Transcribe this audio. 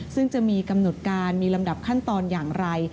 ซึ่งจะมีกำหนดการมีลำดับขั้นตอนอย่างไร